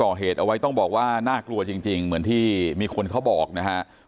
ก่อเหตุเอาไว้ต้องบอกว่าน่ากลัวจริงเหมือนที่มีคนเขาบอกนะฮะ